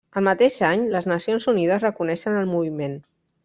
El mateix any les Nacions Unides reconeixen el moviment.